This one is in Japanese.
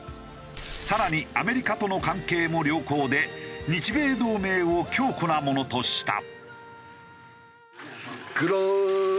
更にアメリカとの関係も良好で日米同盟を強固なものとした。